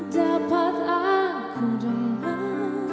dapat aku dengar